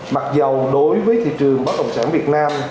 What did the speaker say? mặc dù đối với thị trường bất đồng sản việt nam